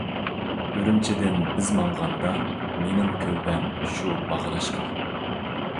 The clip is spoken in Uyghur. ئۈرۈمچىدىن بىز ماڭغاندا، مېنىڭ كۆلبەم شۇ باغراشقا.